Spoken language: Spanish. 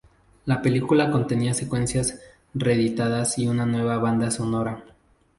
La película contenía secuencias reeditadas y una nueva banda sonora.